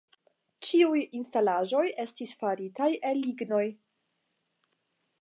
Ĉiuj instalaĵoj estis faritaj el lignoj.